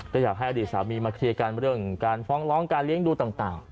ก็อยากให้อดีตสามีมาเคลียร์กันเรื่องการฟ้องร้องการเลี้ยงดูต่าง